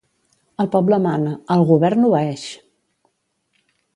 El poble mana, el govern obeeix!